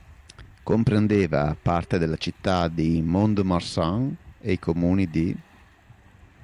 Comprendeva parte della città di Mont-de-Marsan e i comuni di